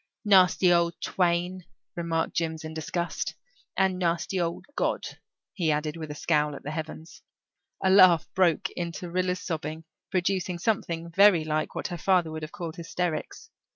"Nasty old twain," remarked Jims in disgust. "And nasty old God," he added, with a scowl at the heavens. A laugh broke into Rilla's sobbing, producing something very like what her father would have called hysterics.